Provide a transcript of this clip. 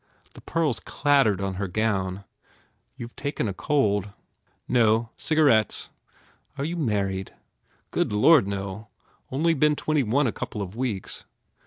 The pearls clattered on her gown. "You ve taken cold." "No. Cigarettes. Are you married?" "Good lord, no. Only been twenty one a couple of weeks."